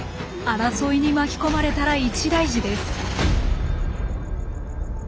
争いに巻き込まれたら一大事です。